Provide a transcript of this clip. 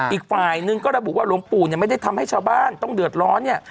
อีกฝ่ายนึงก็ระบุว่าหลวงปู่เนี่ยไม่ได้ทำให้ชาวบ้านต้องเดือดร้อนเนี่ย